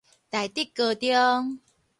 大直高中